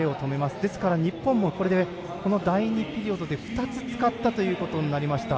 ですから、日本もこれで、この第２ピリオドで２つ使ったということになりました。